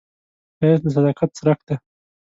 ښایست د صداقت څرک دی